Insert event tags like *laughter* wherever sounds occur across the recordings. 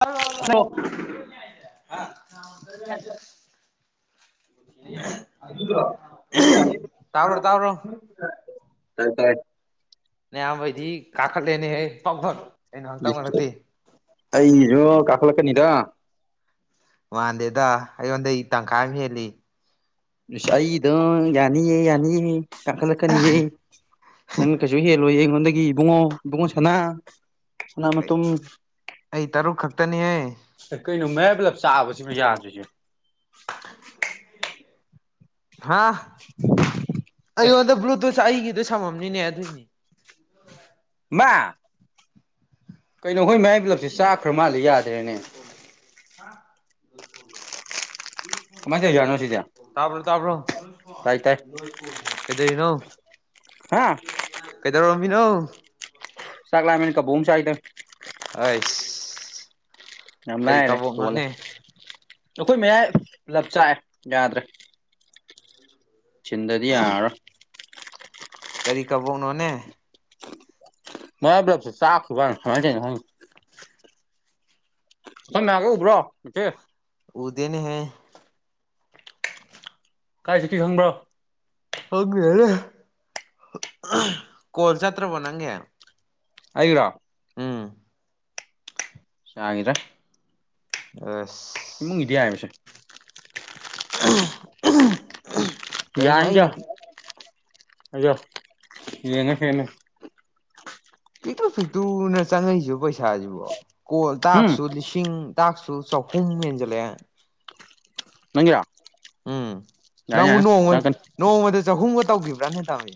hello hello ꯇꯥꯕ꯭ꯔꯣ ꯇꯥꯕ꯭ꯔꯣ *unintelligible* ꯇ ꯇ ꯅꯌꯥꯝꯕꯩꯗꯤ ꯀꯥꯈꯠꯂꯦꯅꯦꯍꯦ ꯄꯥꯎꯊꯣꯟ ꯑꯩꯅ ꯉꯍꯥꯛꯇꯪ ꯉ ꯅꯛꯇꯦ ꯑꯩꯁꯨ ꯀꯥꯈꯂ ꯀꯅꯤꯗ ꯋꯥꯥꯟꯗꯦꯗ ꯑꯩꯉꯣꯟꯗꯩ ꯇꯪꯈꯥꯏ ꯑꯃ ꯍꯦꯜꯂꯤ ꯌꯥ ꯌꯥꯅꯤ ꯀꯈꯠꯂꯛꯀꯅꯤ ꯅꯪ ꯀꯩ ꯍ ꯂꯣꯏꯌꯦ ꯑꯩꯉꯣꯟꯗꯒꯤ ꯏꯕꯨꯡꯉꯣ ꯏꯕꯨꯡꯉꯣ ꯁꯅꯥ ꯁꯅꯥ ꯃꯇꯨꯝ ꯑꯩ ꯇꯔꯨꯛ ꯈꯛꯇꯅꯤꯍꯦ ꯀꯩꯅꯣ ꯃꯌꯥꯏ ꯄꯨꯂꯞ ꯆꯥꯕꯁꯤꯕꯨ ꯌꯥꯗ꯭ꯣꯏꯁꯦ ꯍꯥ ꯑꯦ ꯑꯩꯉꯣꯟꯗ ꯕ꯭ꯂꯨꯇꯨꯠꯁꯦ ꯑꯩꯒꯤꯗ ꯁꯝꯃꯝꯃꯦ ꯅꯤꯅꯦ ꯌꯥ ꯑꯗꯨꯣꯏꯅꯤ ꯀ ꯀꯩꯅꯣ ꯍꯣꯏ ꯃꯌꯥꯏ ꯄꯨꯂꯞꯁꯦ ꯆꯥꯛꯈ꯭ꯔ ꯃꯥꯜꯂꯦ ꯌꯥꯗꯦꯅꯦ ꯁꯀꯣ ꯀꯃꯥꯏ ꯊ ꯌꯥꯅꯣꯁꯤ ꯇ ꯭ꯔꯣ ꯀꯩꯗꯧꯔꯤꯅꯣ ꯍꯥ ꯀꯩꯗꯣ ꯕꯤꯅꯣ ꯆꯥꯛꯒꯂ ꯀ ꯣ ꯆꯒꯗ ꯑꯩ ꯌꯥꯝ ꯂ ꯔꯦ ꯇꯣ ꯑꯩꯈꯣꯏ ꯃꯌꯥꯏ ꯂꯞꯆꯥꯛꯑꯦ ꯌꯥꯗ꯭ꯔꯦ ꯆꯤꯟꯗꯗꯤ ꯌꯥꯔꯣ ꯀꯔꯤ ꯀꯕꯧꯅꯣꯅꯦ ꯃꯕ ꯁꯥ ꯋꯥꯖꯦ ꯁꯝ ꯃꯒ ꯎꯕ꯭ꯔꯣ ꯅꯀꯦ ꯎꯗꯅꯦ ꯍ ꯀꯥꯏꯁꯨ ꯀꯤ ꯈꯪꯕ꯭ꯔꯣ ꯍ ꯀꯣꯜꯁꯇ꯭ꯔꯕꯣ ꯅꯪꯦ ꯍꯥꯏ꯭ꯔꯥ ꯁꯥꯏꯗ ꯑꯁ ꯏꯃꯨꯡ ꯏꯗꯤꯌꯥ ꯍꯥꯏ ꯄꯁꯦ ꯀꯩꯅꯅ ꯑꯅꯦ ꯄ ꯑꯣ ꯌꯦꯡꯉ ꯍꯦꯉ ꯄꯤꯛꯇ꯭ꯔꯨ ꯄꯤꯛꯇꯨꯅ ꯆꯪꯉꯛꯏꯁꯤ ꯄꯩꯁꯥꯁꯤꯕꯣ ꯀꯣꯟꯜ ꯎꯝ ꯇꯥꯛꯁꯨ ꯂꯤꯁꯤꯡ ꯇꯥꯛꯁꯨ ꯆꯍꯨꯝ ꯃꯦꯟꯖꯂꯦ ꯅꯪꯉ ꯎꯝ ꯅꯪꯕꯨ ꯅꯣꯡꯃ ꯅꯣꯡꯃꯗ ꯆꯍꯨꯝꯒ ꯇꯧꯈꯤꯕ꯭ꯔꯅ ꯇꯥꯃꯤ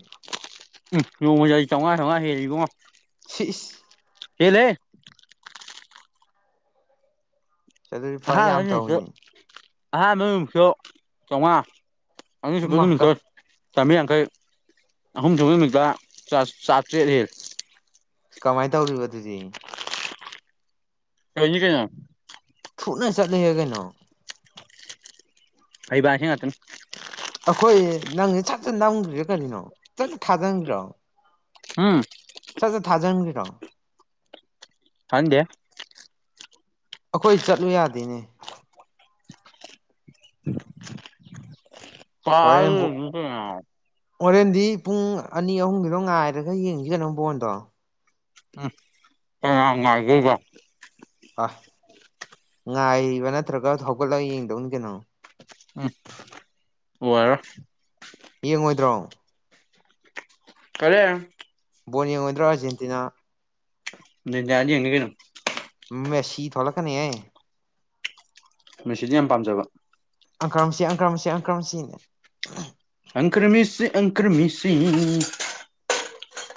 ꯎ ꯌꯣꯡ ꯃꯖꯥꯏ ꯆꯉ ꯊꯉ ꯍꯦꯔꯤꯕꯉꯣ ꯄꯤꯁ ꯍꯦꯂꯦ ꯑꯗꯨꯗꯤ ꯐꯔ ꯍꯥꯥ ꯌꯥꯝ ꯍꯃꯤꯗꯨ ꯇꯧꯅꯤ ꯑꯍꯥꯟꯕꯨꯛꯁꯣ ꯆꯥꯝꯃꯉꯥ ꯑ ꯆꯨꯞꯄ ꯏꯃꯥ ꯀ ꯅꯨꯃꯤꯠꯇꯣꯏ ꯆꯥꯝꯃꯔꯤ ꯌꯥꯡꯈꯩ ꯑꯍꯨꯝ ꯁꯨꯕ ꯅꯨꯃꯤꯠꯇ ꯆꯥꯇ꯭ꯔꯦꯠ ꯍꯦ ꯀꯃꯥꯏꯅ ꯇꯧꯔꯤꯕ ꯑꯗꯨꯗꯤ ꯀꯅꯤ ꯀꯩꯅ ꯐꯨꯅ ꯆꯠꯂꯤꯍꯦ ꯀꯩꯅꯣ ꯐꯩꯕꯁ ꯉ ꯑꯗꯨꯅ ꯑꯩꯈꯣꯏ ꯅꯪꯁ ꯁꯠ ꯆ ꯅꯝꯈ꯭ꯔꯤꯔꯥ ꯀꯔꯤꯅꯣ ꯆꯠ ꯊꯥꯖꯟꯈꯔꯣ ꯍꯥꯝ ꯆꯦ ꯊꯥꯖꯪꯔꯥꯎ ꯍꯗꯦ ꯑꯩꯈꯣꯏ ꯆꯠꯂꯨ ꯌꯥꯗꯦꯅꯦ ꯍꯣꯔꯦꯟꯕꯨ ꯀꯇ ꯍꯣꯔꯦꯟꯗꯤ ꯄꯨꯡ ꯑꯅꯤ ꯑꯍꯨꯝꯒꯤꯗꯣ ꯉꯥꯏꯔꯒ ꯌꯦꯡꯁꯤꯒꯅꯨ ꯐꯕꯣꯟꯗꯣ ꯎꯝꯦꯒ ꯑ ꯉꯥꯏꯔꯤꯕ ꯅꯠꯇ꯭ꯔꯒ ꯍꯧꯒꯠꯂꯒ ꯌꯦꯡꯗꯧꯅ ꯀꯩꯅꯣ ꯎꯝ ꯑꯣꯔꯣ ꯌꯦꯡꯉꯣꯏꯗ꯭ꯔꯣ ꯀꯔꯦ ꯕꯣꯜ ꯌꯦꯡꯉꯣꯏꯗ꯭ꯔꯣ ꯑꯥꯔꯖꯦꯟꯇꯤꯅꯥ ꯖꯥꯤ ꯌꯦꯉ ꯀꯩꯅ ꯃꯁꯤ ꯊꯣꯛꯂꯛ ꯀꯅꯦꯌꯥꯌꯦ ꯃꯦꯁꯤꯗꯤ ꯌꯥꯝ ꯄꯥꯝꯖꯕ ꯑꯪꯀ꯭ꯔꯥꯝꯁꯤ ꯑꯪꯀ꯭ꯔꯥꯝꯁꯤ ꯑꯪꯀ꯭ꯔꯥꯝꯁꯤꯅꯦ ꯑꯪꯀ꯭ꯔꯃꯤꯁꯤ ꯑꯪꯀ꯭ꯔꯃꯤꯁꯤ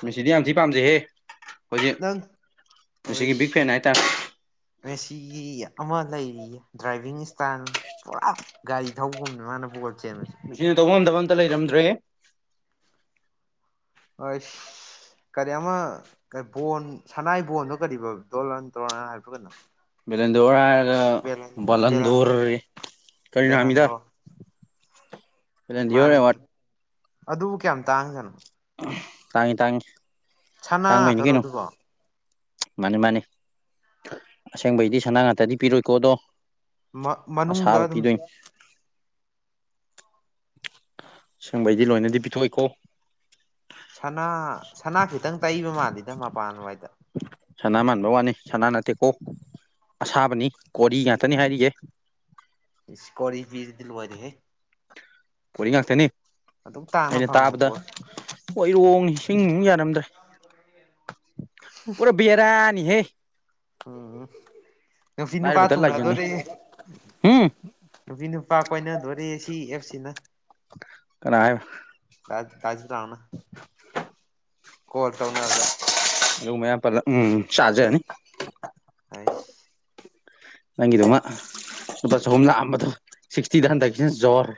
ꯃꯤꯁꯤꯗꯤ ꯌꯥꯝ ꯊꯤ ꯄꯥꯝꯖꯩꯍꯦ ꯑꯩꯈꯣꯏꯖꯤꯛ ꯅꯪ ꯃꯁꯤꯒꯤ ꯕꯤꯛ ꯑꯣꯏꯁ ꯐꯦꯟ ꯍꯥꯏꯇꯥꯔꯦ ꯃꯦꯁꯤꯒꯤ ꯑꯃ ꯂꯩꯔꯤꯌꯦ ꯗ꯭ꯔꯥꯏꯚꯤꯡ ꯏꯁꯇꯥꯏꯜ ꯄꯨꯔꯥ ꯒꯥꯔꯤ ꯊꯧꯕꯒꯨꯝꯕꯅꯤ ꯃꯥꯅꯕꯨ ꯣ ꯆꯩ ꯃꯁꯤꯅ ꯇꯧꯐꯝꯝꯗꯕ ꯑꯝꯇ ꯂꯩꯔꯝꯗ꯭ꯔꯦ ꯑ ꯀꯔꯤ ꯑꯃ ꯕꯣꯟ ꯁꯅꯥꯏ ꯕꯣꯟꯗꯣ ꯀꯔꯤꯕ ꯗꯣꯜꯂ ꯇꯧ ꯍꯥꯏꯕ꯭ꯔꯒꯅꯣ ꯕꯂꯟꯗꯔꯒ ꯕꯦꯂꯟꯗꯣꯔ ꯂꯟꯗꯧꯔꯦ ꯀꯔꯤꯅ ꯍꯥꯃꯤꯗ ꯕꯦꯂꯟꯗꯣꯔ ꯔ ꯋꯥ ꯃꯥꯒꯤꯅꯤ ꯑꯗꯨꯕꯨ ꯀꯌꯥꯝ ꯇꯥꯡꯗꯅꯣ ꯇꯥꯡ ꯇꯥꯡ ꯁꯅꯥ ꯇꯧꯔꯣ ꯑꯗꯨꯕꯣ ꯃꯥꯅꯤ ꯃꯥꯅꯤ ꯑꯁꯦꯡꯕꯩꯗꯤ ꯁꯅꯥ ꯉꯥꯛꯇꯗꯤ ꯄꯤꯔꯣꯏꯀꯣ ꯑꯗꯣ ꯑ ꯃꯅꯨꯡꯗ ꯁꯥꯕ ꯑꯗꯨꯝ ꯄꯤꯗꯣꯏ ꯁꯦꯡꯕꯩꯗꯤ ꯂꯣꯏꯅꯗꯤ ꯄꯤꯊꯣꯛꯑꯏꯀꯣ ꯁꯅꯥ ꯁꯅꯥ ꯈꯤꯇꯪ ꯇꯩꯕ ꯃꯥꯜꯂꯤꯦꯗ ꯃꯄꯥꯟꯋꯥꯏꯗ ꯁꯅꯥ ꯃꯥꯟꯕ ꯋꯥꯅꯤ ꯁꯅꯥ ꯅꯠꯇꯦꯀꯣ ꯑꯁꯥꯕꯅꯤ ꯀꯣꯔꯤ ꯉꯥꯛꯇꯅꯤ ꯍꯥꯏꯔꯤꯌꯦꯦ ꯏꯁ ꯀꯣꯔꯤ ꯐꯤꯁꯤꯗꯤ ꯂꯣꯏꯔꯦꯍꯦ ꯐ ꯉꯇꯅꯤ ꯑꯗꯨꯛ ꯇꯥꯅ ꯐꯪꯕ ꯄꯣꯠ ꯑꯣꯏꯣꯏꯔꯣꯡꯅꯤ ꯁꯤꯡ ꯅꯨꯡ ꯌꯥꯔꯝꯗ꯭ꯔꯦ ꯄꯨꯔꯥ ꯕꯦꯔꯥꯅꯤꯍꯦ ꯎꯝ ꯅꯨꯄꯤꯤ ꯅꯨꯄꯥ ꯂꯥꯏꯔꯕꯗ ꯊꯨꯡꯅ ꯂꯥꯏꯖꯪꯉꯦ ꯑꯗꯨꯣꯗꯤ ꯍꯨꯝ ꯅꯨꯄꯤ ꯅꯨꯄꯥ ꯀꯣꯏꯅꯗꯣꯣꯔꯦ ꯁꯤ ꯑꯦꯞꯁꯤꯅ ꯀꯅꯥꯥꯏ ꯖ ꯇꯅ ꯀꯣꯜ ꯇꯧꯅꯕꯗ ꯌ ꯃꯌꯥꯝ ꯄꯜꯂ ꯎꯝ ꯆꯥꯖꯅꯤ ꯑꯩꯁ ꯅꯪꯒꯤꯗꯨꯃ ꯂꯨꯄꯥ ꯆꯍꯨꯝ ꯂꯥꯛꯑꯝꯕꯗꯣ ꯁꯤꯛꯁꯇꯤꯗ ꯍꯟꯗꯛꯀꯤꯁꯤꯅ ꯖꯍꯣꯔ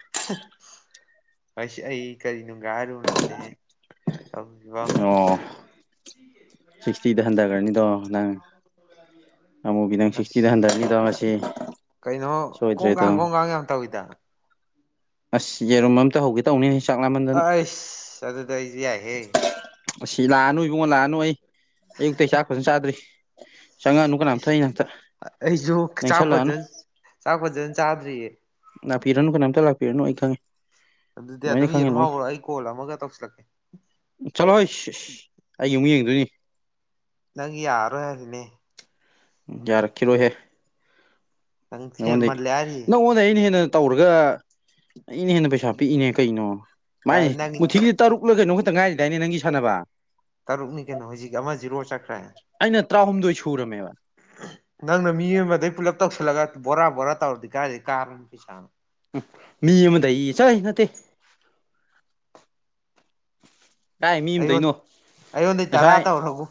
ꯑꯁ ꯑꯩ ꯀꯔꯤꯅ ꯔꯅꯦꯦꯕ ꯑꯣ ꯁꯤꯛꯁꯇꯤꯗ ꯍꯟꯊꯒꯔꯅꯤꯗꯣ ꯅꯪ ꯑꯃꯨꯒꯤꯈꯤ ꯅꯪ ꯁꯤꯛꯁꯇꯤꯗ ꯑꯁ ꯍꯟꯊꯔꯅꯤꯗꯣ ꯉꯁꯤ ꯀꯩꯅꯣ ꯁꯣꯏꯗ꯭ꯔꯦꯗꯣ ꯀꯣꯡꯒꯥꯡ ꯀꯣꯡꯒꯥꯡ ꯌꯥꯝ ꯇꯧꯋꯤꯗ ꯑꯁ ꯌꯦꯔꯨꯝ ꯑꯝꯇ ꯍꯧꯒꯦ ꯇꯧꯅꯤ ꯑꯁ ꯑꯗ ꯇ ꯏꯖꯤ ꯍꯥꯏ ꯑꯁꯤ ꯂꯥꯛꯑꯅꯨ ꯏꯕꯨꯡꯉꯣ ꯂꯥꯛꯑꯅꯨ ꯑꯩ ꯑꯌꯨꯛꯇ ꯆꯥꯛ ꯐꯖꯅ ꯆꯥꯗ꯭ꯔꯤ ꯆꯪꯉꯛꯑꯅꯨ ꯀꯅꯥꯝꯇ ꯑꯩ ꯅꯥꯛꯇ ꯑꯩꯁꯨ ꯆꯥꯛ ꯅꯪꯁꯜꯂꯛꯑꯅꯨ ꯐꯖꯅ ꯆꯥꯛ ꯐꯖꯅ ꯆꯥꯗ꯭ꯔꯤꯌꯦ ꯂꯥꯛꯄꯤꯔꯅꯨ ꯀꯅꯥꯝꯇ ꯂꯥꯛꯄꯤꯔꯅꯣ ꯑꯩ ꯈꯪꯉꯦ ꯑꯗꯨꯗꯤ ꯂꯣꯏꯅ ꯑꯗꯨꯝ ꯈꯪꯉꯦ ꯌꯦꯟ ꯂꯣꯏ ꯍꯧꯥꯎꯔꯣ ꯑꯩ ꯀꯣꯜꯂ ꯑꯃꯒ ꯇꯧꯁꯤꯜꯂꯛꯀꯦ ꯆꯠꯂꯣ ꯍꯣꯏ ꯑꯩꯒꯤ ꯑꯃꯨꯛ ꯌꯦꯡꯗꯣꯏꯅꯤ ꯅꯪꯒꯤ ꯌꯥꯔ ꯍꯥꯏꯁꯤꯅꯦ ꯌꯥꯔꯈꯤꯤꯔꯣꯍꯦ ꯅꯪ ꯍꯦꯟꯃꯜꯂꯦ ꯍꯥꯏꯔꯤ ꯅ ꯑꯣꯗꯩꯅ ꯇꯧꯔꯒ ꯑꯩꯅ ꯍꯦꯟꯅ ꯄꯩꯁꯥ ꯄꯤꯛꯏꯅꯦ ꯀꯩꯅꯣ ꯀꯥꯏ ꯃꯥꯏꯅꯦ ꯅꯪ ꯃꯨꯊꯤꯗꯤ ꯇꯔꯨꯛꯂ ꯀꯩꯅꯣ ꯈ ꯇ ꯉꯥꯏꯁꯤꯗꯥꯏꯅꯦ ꯅꯪꯒꯤ ꯁꯥꯟꯅꯕ ꯇꯔꯨꯛꯅꯤ ꯀꯩꯅꯣ ꯍꯧꯖꯤꯛ ꯑꯃ ꯖꯤꯔꯣ ꯆꯠꯈ꯭ꯔꯦ ꯑꯩꯅ ꯇꯔꯥꯍꯨꯝꯗꯣꯏ ꯁꯨꯔꯝꯃꯦꯕ ꯅꯪꯅ ꯃꯤ ꯑꯃꯗꯩ ꯄꯨꯜꯂꯞ ꯇꯧꯁꯤꯜꯂꯒ ꯕꯣꯔꯥ ꯕꯣꯔꯥ ꯇꯧꯔꯗꯤ ꯀꯥꯏꯔꯗꯤ ꯀꯥꯔꯅꯤ ꯄꯩꯁꯥꯅꯣ ꯃꯤ ꯑꯃꯗ ꯆꯅꯠꯇ ꯀꯥꯏ ꯃꯤ ꯑꯃ ꯑꯩꯉꯣꯟ ꯇꯩꯅꯣ ꯑꯩꯉꯣꯟꯗꯩ ꯇꯔꯥ ꯉꯁꯥꯏ ꯇꯧꯔꯕꯨ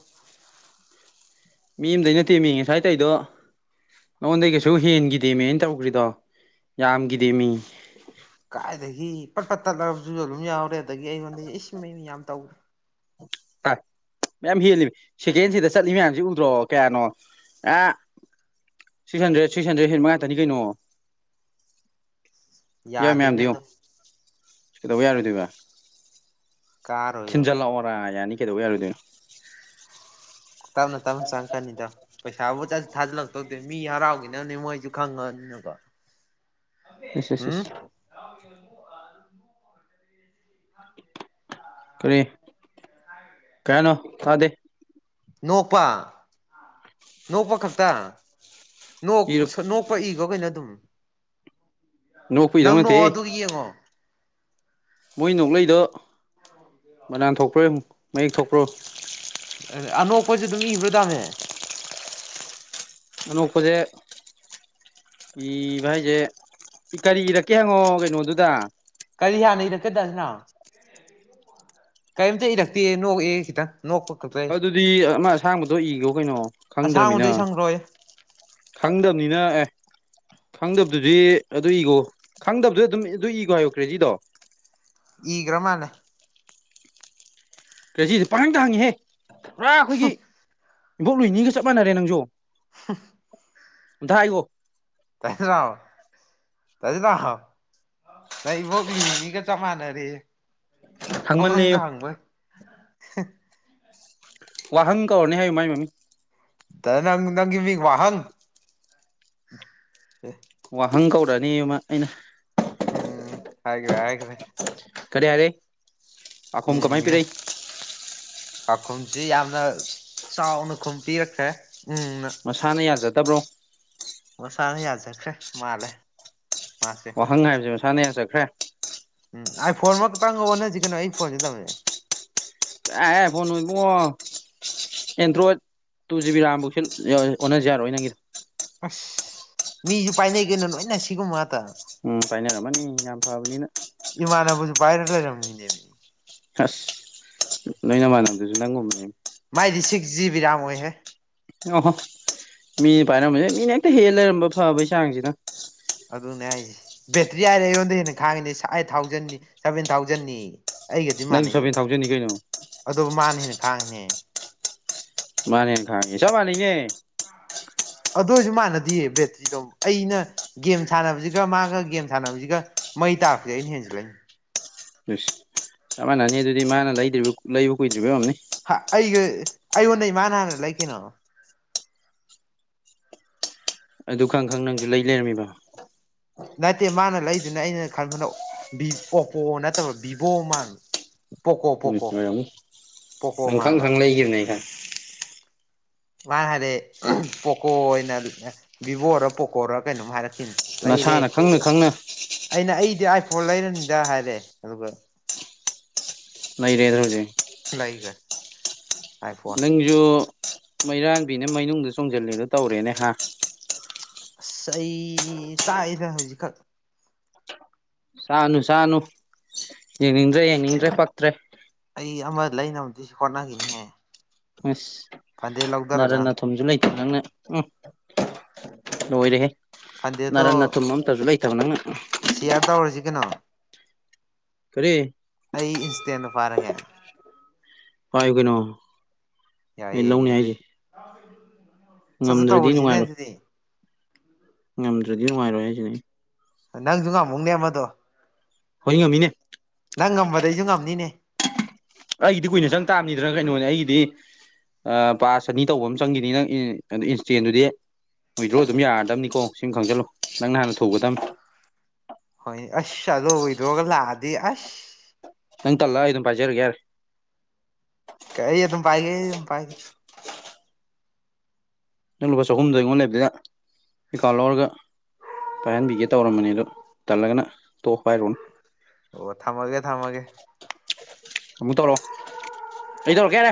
ꯃꯤ ꯑ ꯑꯃꯗꯩꯅꯠꯇꯦꯝꯃꯤꯉꯦ ꯁ꯭ꯋꯥꯥꯏ ꯇꯩꯗꯣ ꯅꯉꯣꯟꯗꯩ ꯀꯩꯁꯨ ꯍꯦꯟꯈꯤꯗꯦꯃꯦꯅ ꯇꯧꯈ꯭ꯔꯤꯗꯣ ꯌꯥꯝꯒꯤꯗꯦ ꯃꯤ ꯀꯥꯏꯗꯒꯤ ꯄꯠ ꯄꯠ ꯇꯠꯂꯕꯁꯨ ꯑꯗꯨꯝ ꯌꯥꯎꯔꯦ ꯑꯗꯨꯗꯒꯤ ꯑꯩꯉꯣꯟꯗ ꯏꯁꯤꯡ ꯑꯩꯅ ꯌꯥꯝ ꯇꯧꯦ ꯍꯥ ꯃꯌꯥꯝ ꯍꯦꯜꯂꯤ ꯁꯦꯀꯦꯟꯁꯤꯗ ꯆꯠꯂꯤ ꯃꯌꯥꯝꯁꯤ ꯎꯗ꯭ꯔꯣ ꯀꯌꯥꯅꯣ ꯑꯦ ꯁꯤꯛꯁ ꯍꯟꯗ꯭ꯔꯦꯠ ꯁꯤꯛꯁ ꯍꯟꯗ꯭ꯔꯦꯠ ꯍꯠ ꯃꯉꯥ ꯇꯅꯤ ꯀꯩꯅꯣ ꯌꯥꯎꯏ ꯌꯥꯗꯅꯦ ꯃꯌꯥꯝꯗꯣ ꯑꯗꯣ ꯌꯦꯡꯉꯨ ꯀꯩꯗꯧꯕ ꯌꯥꯔꯣꯏꯗꯣꯏꯕ ꯀꯥꯔꯣꯏꯕ ꯊꯤꯟꯖꯂ ꯑꯣꯔꯥꯏ ꯌꯥ ꯌꯥꯅꯤ ꯀꯩꯗꯧꯕ ꯌꯥꯔꯨꯗꯣꯏꯅꯣ ꯇꯃꯦ ꯇ ꯁꯥꯡꯀ ꯅꯗ ꯄ ꯑ ꯆ ꯊꯥꯖꯤꯜꯂꯛꯇꯧꯗꯦ ꯃꯤ ꯍꯥꯔꯥꯎꯈꯤꯅꯕꯅꯦ ꯃꯣꯏꯁꯨ ꯈꯪꯉꯅꯤꯅꯀꯣ ꯑꯁꯁꯁ ꯀꯔꯤꯔꯤ ꯀꯩꯅꯣ ꯊꯥꯗꯦ ꯅꯣꯛꯄ ꯅꯣꯛꯄ ꯈꯛꯇ ꯣꯛ ꯏꯔꯨꯞ ꯅꯣꯛꯄ ꯏꯒꯣ ꯀꯩꯅꯣ ꯑꯗꯨꯝ ꯅꯣꯛꯄꯩꯗꯧ ꯅꯪ ꯅꯣꯛꯑꯣ ꯅꯠꯇꯦꯍꯦ ꯑꯗꯨ ꯌꯦꯡꯉꯣ ꯃꯣꯏ ꯅꯣꯛꯂꯩꯗꯣ ꯃꯕꯅꯥꯟ ꯊꯣꯛꯄ꯭ꯔꯣ ꯃꯌꯦꯛ ꯊꯣꯛꯄ꯭ꯔꯣ ꯑꯅꯣꯛꯄꯁꯨ ꯑꯗꯨꯝ ꯏꯕ꯭ꯔꯥ ꯇꯥꯝꯃꯦ ꯑꯗꯨꯄꯖꯦ ꯏꯕ ꯍꯥꯏꯁꯦ ꯀꯔꯤ ꯏꯔꯛꯀꯦ ꯍꯪꯉꯣ ꯀꯩꯅꯣꯗꯨꯗ ꯀꯔꯤ ꯍꯥꯟꯅ ꯏꯔꯛꯀꯗꯁꯤꯅ ꯀꯔꯤꯝꯇ ꯏꯔꯛꯇꯦ ꯅꯣꯛꯑꯦ ꯈꯤꯇꯪ ꯑꯗꯨꯗꯤ ꯑꯃ ꯑꯁꯥꯡꯕꯗꯣ ꯏꯈꯣ ꯀꯩꯅꯣ ꯈꯪꯗ꯭ꯔꯅꯤꯅ ꯑꯁꯥꯡꯕꯗꯩ ꯁꯪꯈ꯭ꯔꯣꯏ ꯈꯪꯗꯕꯅꯤꯅ ꯑꯦ ꯈꯪꯗꯕꯗꯨꯗꯤ ꯑꯗꯨ ꯏꯈꯣ ꯈꯪꯗꯕꯗ ꯑꯗꯨꯝ ꯑꯗꯨ ꯏꯈꯣ ꯍꯥꯏꯌꯣꯛꯈ꯭ꯔꯦ ꯁꯤꯗꯣ ꯏꯒ꯭ꯔꯃꯅ ꯀꯦꯖꯤꯗ ꯄꯥꯍꯪ ꯇ ꯍꯪꯉꯤꯍꯦ ꯄꯨꯔꯥ ꯑꯩꯈꯣꯏꯒꯤ ꯏꯕꯣꯛꯂꯣꯏꯅꯤꯒ ꯆꯞ ꯃꯥꯟꯅꯔꯦ ꯅꯪꯁꯨ ꯑꯣꯗꯏꯌ ꯇꯔꯤꯍ ꯅ ꯣꯒꯂꯤ ꯃꯤꯅꯤ ꯀ ꯆ ꯃꯥꯅꯔꯦ ꯑꯪꯗ ꯍꯪꯃꯜꯂꯦꯌꯣ ꯍꯪꯕ ꯋꯥꯍꯪ ꯀꯧꯔꯅꯤ ꯍꯥꯏꯌꯨ ꯃꯥꯏ ꯃꯃꯤ ꯇ ꯅꯪ ꯅꯪ ꯃꯤ ꯋꯥꯍꯪ ꯋꯥꯍꯪ ꯀꯧꯔꯛꯑꯅꯤ ꯑꯩꯅ ꯎꯝ ꯍꯥꯏ꯭ꯔꯦ ꯍꯥꯏ꯭ꯔꯦ ꯀꯔꯤ ꯍꯥꯏꯔꯦ ꯄꯥꯈꯣ ꯀꯃꯥꯏꯅ ꯄꯤꯔꯛꯏ ꯆꯥꯈꯨꯝꯁꯤ ꯌꯥꯝꯅ ꯆꯥꯎꯅ ꯈꯨꯝ ꯄꯤꯔꯛꯈ꯭ꯔꯦ ꯎꯝꯅ ꯃꯁꯥꯅ ꯌꯥꯖꯗꯕ꯭ꯔꯣ ꯁꯔ ꯌꯥ ꯆ ꯃꯥꯂꯦ ꯋꯥꯍꯪ ꯍꯥꯏꯕꯁꯤꯦ ꯃꯁꯥꯅ ꯆꯠꯈ꯭ꯔꯦ ꯎꯝ ꯑꯩ ꯐꯣꯟꯃ ꯈꯛꯇꯪꯒ ꯍꯟꯅꯁꯤ ꯀꯩꯅꯣ ꯑꯩ ꯐꯣꯟꯁꯤꯦ ꯇꯧꯁꯦ ꯑꯦ ꯐ ꯅꯣꯏꯕꯨꯡꯉꯣ ꯑꯦꯟꯗ꯭ꯔꯣꯏꯠ ꯇꯨ ꯖꯤ ꯕꯤ ꯔꯥꯝꯐꯧꯁ ꯑꯣꯟꯅꯖ ꯌꯥꯔꯣꯏ ꯅꯪꯒꯤꯗ ꯑꯁ ꯃꯤꯁꯨ ꯄꯥꯏꯅꯩ ꯀꯩꯅꯣ ꯂꯣꯏꯅ ꯁꯤꯒꯨꯝꯕ ꯉꯥꯛꯇ ꯎꯝ ꯐꯥꯏꯅꯦꯜ ꯑꯃꯅꯤ ꯌꯥꯝ ꯐꯕꯅꯤꯅ ꯥꯏꯔ ꯂꯩꯔꯝ ꯃꯤꯅꯤꯃꯤ ꯑꯁ ꯅꯣꯏꯅꯃꯥꯟꯅꯕꯗꯨꯁꯨ ꯅꯪꯒꯨꯝꯃꯦ ꯃꯥꯏꯗꯤ ꯁꯤꯛꯁ ꯖꯤꯕꯤ ꯔꯥꯝ ꯑꯣꯏꯍꯦ ꯑꯣꯍꯣ ꯃꯤꯁ ꯄꯥꯏꯔꯝꯕꯁꯦ ꯃꯤꯅ ꯍꯦꯛꯇ ꯍꯦꯜ ꯂꯩꯔꯝꯕ ꯐꯕꯩ ꯆꯥꯡꯁꯤꯅ ꯑꯗꯨꯅꯦ ꯍꯥꯏꯔꯤꯁꯦ ꯕꯦꯇ꯭ꯔꯤ ꯍꯥꯏꯔꯦ ꯑꯩꯉꯣꯟꯗ ꯍꯦꯟꯅ ꯈꯥꯡꯉꯤꯅꯤ ꯑꯩꯥꯏꯠ ꯊꯥꯎꯖꯟꯅꯤ ꯁꯚꯦꯟ ꯊꯥꯎꯖꯟꯅꯤ ꯑꯩꯒꯗꯤ ꯅꯪꯁꯨ ꯃꯥꯟꯅꯩ ꯁꯚꯦꯟ ꯊꯥꯎꯖꯟꯅꯤ ꯀꯩꯅꯣ ꯑꯗꯨꯕꯨ ꯃꯥꯅ ꯍꯦꯟꯅ ꯈꯥꯡꯉꯤꯅꯦ ꯃꯥꯅꯤ ꯈꯥꯦ ꯆꯕ ꯃꯥꯅꯤꯡꯒꯦ ꯑꯗꯨ ꯑꯣꯏꯔꯁꯨ ꯃꯥꯟꯅꯗꯌꯦ ꯕꯦꯠꯇ꯭ꯔꯤꯗꯣ ꯑꯩꯅ ꯒꯦꯝ ꯁꯥꯟꯅꯕꯁꯤꯒ ꯃꯥꯒ ꯒꯦꯝ ꯁꯥꯟꯅꯕꯁꯤꯒ ꯃꯩ ꯑꯩ ꯇꯥꯔꯛꯄꯗꯤꯦ ꯑꯩꯅ ꯍꯦꯟꯖꯤꯜꯂꯛꯅꯤ ꯆꯃꯅꯅꯤ ꯑꯗꯨꯗꯤ ꯃꯥꯅ ꯂꯩꯗ꯭ꯔꯤꯕ ꯂꯩꯕ ꯀꯨꯏꯗ꯭ꯔꯤꯕꯅꯤ ꯍꯥ ꯑꯩꯒꯤ ꯑꯩꯉꯣꯟꯟꯅ ꯏꯃꯥꯅ ꯍꯥꯟꯅ ꯂꯩ ꯀꯩꯅꯣ ꯑꯗꯨ ꯈꯪ ꯈꯪ ꯅꯪꯁꯨ ꯂꯩ ꯂꯩꯔꯝꯃꯤꯕ ꯅꯠꯇꯦ ꯃꯥꯅ ꯂꯩꯗꯨꯅꯦ ꯑꯩꯅ ꯈꯟꯕꯅ ꯚ ꯑꯣꯞꯄꯣ ꯅꯠꯇꯕ ꯚꯤꯚꯣ ꯑꯃꯥꯡ ꯄꯣꯀꯣ ꯎꯝ ꯄꯣꯀꯣ ꯑꯣꯏꯔꯝꯅꯤ ꯄꯣꯀꯣ ꯅꯪ ꯈꯪ ꯃꯥꯥꯟꯕ ꯈꯪ ꯂꯩꯈꯤꯕꯅꯦ ꯑꯩ ꯈꯪꯉꯦ ꯃꯥ ꯍꯥꯏꯔꯦ ꯄꯣꯀꯣ ꯑꯣꯏꯅ ꯚꯕꯣꯔ ꯄꯣꯀꯣꯔꯣ ꯀꯩꯅꯣꯝ ꯍꯥꯏꯔ ꯂꯩꯔꯦ ꯅꯁꯥꯅ ꯈꯪꯅ ꯈꯪꯅ ꯑꯩꯅ ꯑꯩꯗꯤ ꯐꯣ ꯂꯩꯔꯅꯤꯗ ꯍꯥꯏꯔꯦ ꯑꯗꯨꯒ ꯂꯩꯔꯦꯗ꯭ꯔ ꯍꯧꯖꯤꯦ ꯂꯩꯒ ꯅꯪꯁꯨ ꯃꯩꯔꯥꯟꯕꯤꯅ ꯃꯅꯨꯡꯗꯅꯨꯡ ꯆꯣꯡꯁꯤꯂꯦꯗꯣ ꯇꯧꯔꯦꯅꯦ ꯍꯥ ꯆꯥꯛꯗ ꯍꯧꯖꯤꯛꯈꯛ ꯁꯥꯅꯨ ꯁꯥꯅꯨ ꯌꯦꯡꯅꯤꯡꯗ꯭ꯔꯦ ꯌꯦꯡꯅꯤꯡꯗ꯭ꯔꯦ ꯐꯛꯇ꯭ꯔꯦ ꯑꯩ ꯑꯃ ꯂꯩꯕꯨꯗꯤ ꯍꯣꯠꯅꯈꯤꯅꯤꯍꯦ ꯑꯁ ꯐꯗꯦ ꯂꯧꯊꯔꯒ ꯅꯔꯟ ꯅꯊꯨꯝꯁꯨ ꯂꯩꯇꯕ ꯅꯪꯅ ꯎꯝ ꯂꯣꯏꯔꯦꯍꯦ ꯐꯟꯗꯦꯗꯣ ꯅꯅꯥꯔ ꯅꯅꯥ ꯇꯨꯝ ꯑꯝꯇꯁꯨ ꯂꯩꯇ ꯊꯅ ꯁꯤꯌꯥꯔ ꯇꯧꯔꯁꯤ ꯀꯩꯅꯣ ꯁꯔꯤꯦ ꯑꯩ ꯏꯟꯁꯇꯦꯟꯗ ꯐꯥꯔꯒꯦ ꯄꯥꯏꯨꯒꯩꯅꯣ ꯌꯥꯏꯌꯦ ꯑꯗꯨ ꯁꯠꯁ ꯉꯝꯗ꯭ꯔꯗꯤ ꯇꯧꯍꯔꯤꯁꯤꯅꯦ ꯅꯨꯡꯉꯥꯏꯔꯣꯏ ꯑꯗꯨꯗꯤ ꯉꯝꯗ꯭ꯔꯗꯤ ꯅꯨꯡꯉꯥꯏꯔꯣꯏ ꯍꯥꯏꯁꯤꯅꯤ ꯅꯪꯁꯨ ꯉꯥꯡꯃꯨꯛꯅꯦ ꯃꯗꯣ ꯍꯉꯃꯤꯅꯦ ꯅꯪ ꯉꯝꯕꯗꯩꯁꯨ ꯉꯝꯅꯤꯅꯦ ꯑꯩꯒꯤꯗꯤ ꯀꯨꯏꯅ ꯆꯪ ꯇꯥꯕꯅꯤꯗꯅ ꯀꯩꯅꯣꯅꯦ ꯑꯩꯒꯤꯗꯤ ꯄꯥꯁ ꯆꯅꯤ ꯇꯧꯕ ꯑꯃ ꯆꯪꯈꯤꯅꯤ ꯅꯪ ꯏꯟꯁꯇꯦꯟꯗꯨꯗꯤ ꯋꯤꯗ꯭ꯔꯣ ꯑꯗꯨꯝ ꯌꯥꯔꯗꯕꯅꯤꯀꯣ ꯁꯤꯨꯝ ꯈꯪꯖꯤꯜꯂꯨ ꯅꯪ ꯅ ꯍꯥꯟꯅ ꯊꯨꯒꯗꯕꯅꯤ ꯑꯁꯗ ꯑꯣꯏꯏꯗ꯭ꯔꯣꯒ ꯂꯥꯛꯑꯗꯤ ꯑꯁ ꯅꯪ ꯇꯜꯂꯒ ꯑꯩ ꯑꯗꯨꯝ ꯄꯥꯏꯖꯔꯒꯦ ꯌꯥꯔꯦ ꯀꯩ ꯌꯦ ꯑꯗꯨꯝ ꯄꯥꯏꯒꯦ ꯄꯥꯏꯒꯦ ꯅꯪ ꯂꯨꯄꯥ ꯆꯍꯨꯝꯗ ꯑꯩꯉꯣꯟꯗ ꯂꯩꯕꯅꯤꯗ ꯀꯩꯀꯥ ꯂꯧꯔꯒ ꯄꯥꯏꯍꯟꯕꯤꯒꯦ ꯇꯧꯔꯝꯕꯅꯤ ꯑꯗꯣ ꯇꯜꯂꯒꯅ ꯇꯣꯛ ꯍꯥꯏꯔꯣꯅ ꯑꯣ ꯊꯝꯃꯒꯦ ꯊꯃꯒꯦ ꯑꯃꯨꯛ ꯇꯧꯔꯣ ꯑꯩ ꯇꯧꯔꯛꯣ ꯀꯦꯔꯦ